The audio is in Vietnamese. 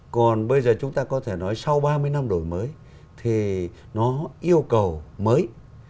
còn bây giờ chúng ta có thể nói sau ba mươi năm đổi mới thì nó yêu cầu mới